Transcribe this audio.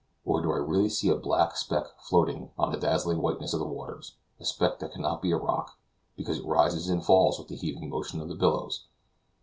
or do I really see a black speck floating, on the dazzling whiteness of the waters, a speck that cannot be a rock, because it rises and falls with the heaving motion of the billows?